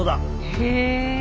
へえ。